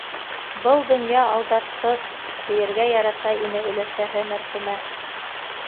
«Был донъя алдатҡыс!» - тиергә ярата ине өләсәһе мәрхүмә.